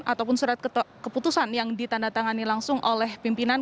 ataupun surat keputusan yang ditandatangani langsung oleh pimpinan